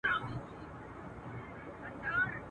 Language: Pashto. غېږه تشه ستا له سپینو مړوندونو.